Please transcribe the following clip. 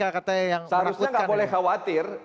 seharusnya gak boleh khawatir